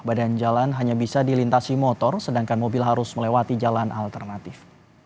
badan jalan hanya bisa dilintasi motor sedangkan mobil harus melewati jalan alternatif